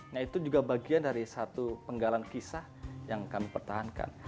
nah itu juga bagian dari satu penggalan kisah yang kami pertahankan